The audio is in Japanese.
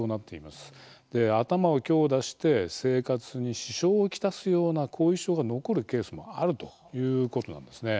頭を強打して生活に支障を来すような後遺症が残るケースもあるということなんです。